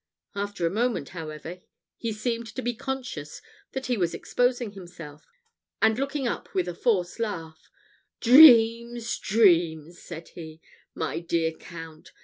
After a moment, however, he seemed to be conscious that he was exposing himself; and looking up with a forced laugh, "Dreams! dreams!" said he, "my dear Count.